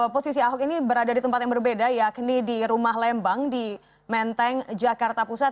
posisi ahok ini berada di tempat yang berbeda yakni di rumah lembang di menteng jakarta pusat